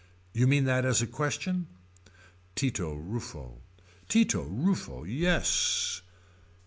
You mean that as a question. Tito Ruffo. Tito Ruffo yes.